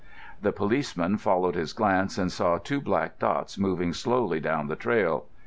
The policeman followed his glance and saw two black dots moving slowly down the trail.